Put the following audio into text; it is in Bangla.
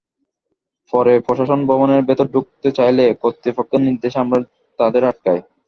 পরে প্রশাসন ভবনের ভেতর ঢুকতে চাইলে কর্তৃপক্ষের নির্দেশে আমরা তাঁদের আটকাই।